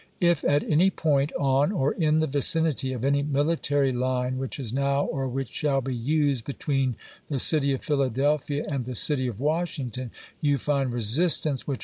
If at any point on or in the vicinity of any military line which is now or which shall he used between the city of Philadelphia Lincoln to and the city of Washington you find resistance which Api/^^im.